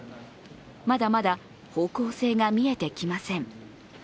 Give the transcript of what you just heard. まだまだ方向性が見えてきません。